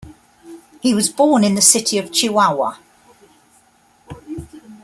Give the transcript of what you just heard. He was born in the city of Chihuahua.